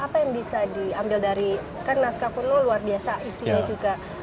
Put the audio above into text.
apa yang bisa diambil dari kan naskah kuno luar biasa isinya juga